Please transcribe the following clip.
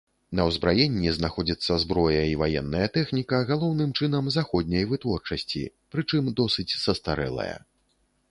На ўзбраенні знаходзіцца зброя і ваенная тэхніка галоўным чынам заходняй вытворчасці, прычым досыць састарэлая.